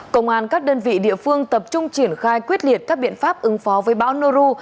công an các đơn vị địa phương tập trung triển khai quyết liệt các biện pháp ứng phó với bão neru